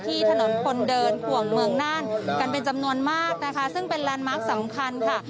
ที่ถนนคนเดินขวงเมืองน่านกันเป็นจำนวนมากนะคะซึ่งเป็นแลนด์มาร์คสำคัญค่ะ